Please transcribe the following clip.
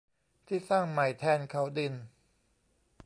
ที่สร้างใหม่แทนเขาดิน